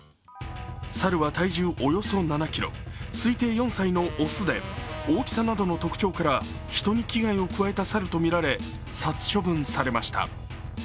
猿は体重およそ７ｋｇ、推定４歳の雄で大きさなどの特徴から人に危害を加えた猿とみられ殺処分されました。